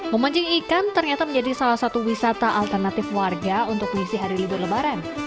memancing ikan ternyata menjadi salah satu wisata alternatif warga untuk mengisi hari libur lebaran